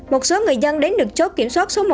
một số người dân đến được chốt kiểm soát số một